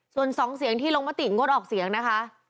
ส่วน๒เสียงที่ลงมติงดออกเสียงนะคะ